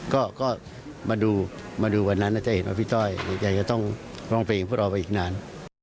ก็มาดูวันนั้นจะเห็นว่าพี่ต้อยอยากจะต้องลองเพลงพวกเราอีกนาน